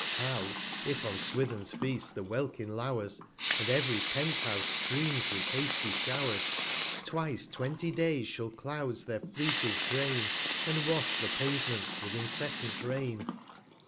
How, if on Swithirfs Feast the Welkin lours, And ev'ry Penthouse streams with hasty Show'rs, Twice twenty Days shall Clouds their Fleeces drain, And wash the Pavements with incessant Rain.